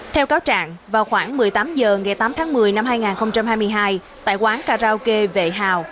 theo cáo trạng vào khoảng một mươi tám h ngày tám tháng một mươi năm hai nghìn hai mươi hai tại quán karaoke vệ hào